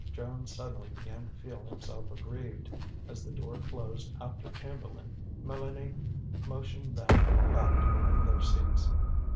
Jones suddenly began to feel himself aggrieved. As the door closed after Chamberlain, Mélanie motioned them back to their seats.